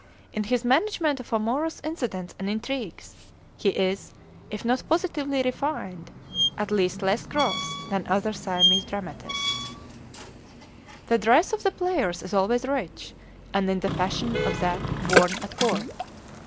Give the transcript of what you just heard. In his management of amorous incidents and intrigues, he is, if not positively refined, at least less gross than other Siamese dramatists. [Illustration: SIAMESE ACTOR AND ACTRESS.] The dress of the players is always rich, and in the fashion of that worn at court.